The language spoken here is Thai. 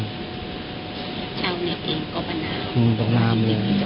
เจ้าเนี่ยก็ประนาม